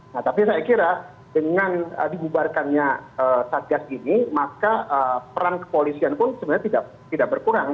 nah tapi saya kira dengan dibubarkannya satgas ini maka peran kepolisian pun sebenarnya tidak berkurang